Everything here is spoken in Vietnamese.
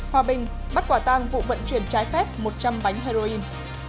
hòa bình bắt quả tang vụ vận chuyển trái phép một trăm linh bánh heroin